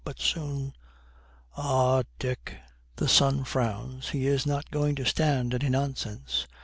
But soon, 'Ah, Dick.' The son frowns. He is not going to stand any nonsense.